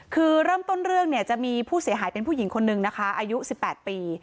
คือเริ่มต้นเรื่องเนี่ยจะมีผู้เสียหายเป็นผู้หญิงคนนึงนะคะอายุ๑๘ปี